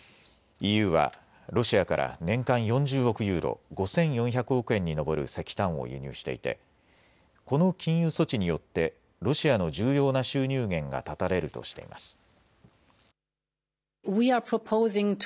ＥＵはロシアから年間４０億ユーロ、５４００億円に上る石炭を輸入していてこの禁輸措置によってロシアの重要な収入源が断たれるとしています。